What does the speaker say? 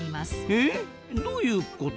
えどういうこと？